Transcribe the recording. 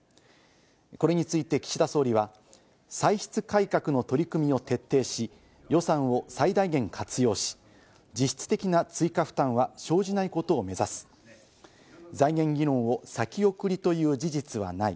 これについて岸田総理は、歳出改革の取り組みを徹底し、予算を最大限活用し、実質的な追加負担は生じないことを目指すと述べ、財源議論を先送りという事実はない。